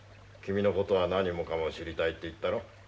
君の事は何もかも知りたいって言ったろう？